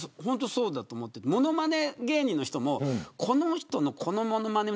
そうだと思っていて物まね芸人の人もこの人の、この物まね